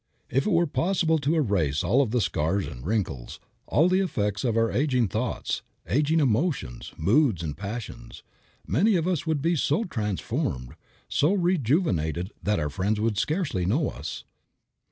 If it were possible to erase all of the scars and wrinkles, all the effects of our aging thoughts, aging emotions, moods and passions, many of us would be so transformed, so rejuvenated that our friends would scarcely know us.